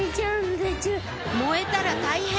燃えたら大変！